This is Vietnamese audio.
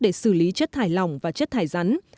để xử lý chất thải lỏng và chất thải rắn